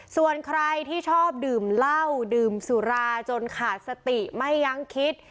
ส่วนใครที่ชอบดื่มเหล้าดื่มสุราจนขาดสติไม่ยังคิด